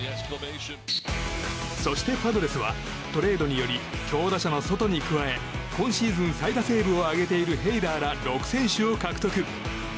そしてパドレスはトレードにより強打者のソトに加え今シーズン最多セーブを挙げているヘイダーら６選手を獲得。